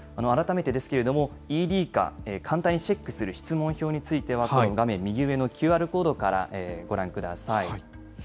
改めてですけれども、ＥＤか、簡単にチェックする質問票については、この画面右上のＱＲコードからご覧ください。